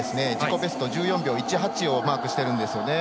ベスト１４秒１８をマークしているんですね。